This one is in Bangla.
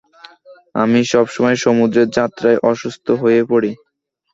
আমি সব সময় সমুদ্র যাত্রায় অসুস্থ হয়ে পড়ি।